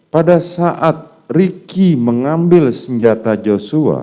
pada saat riki mengambil senjata joshua